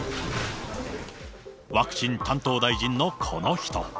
ワクチン担当大臣のこの人。